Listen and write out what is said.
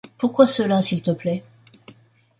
Pourquoi cela, s’il te plaît?